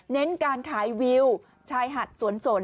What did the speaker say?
เน้นการขายวิวชายหัดสวนสน